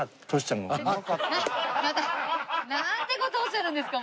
またなんて事おっしゃるんですか！